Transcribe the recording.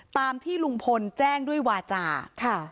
ตามที่ลุงพลแจ้งด้วยวาจาค่ะ